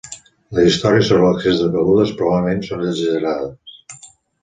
Les històries sobre l'excés de begudes probablement són exagerades.